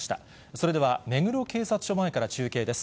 それでは目黒警察署前から中継です。